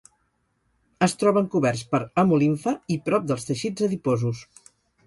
Es troben coberts per hemolimfa i prop dels teixits adiposos.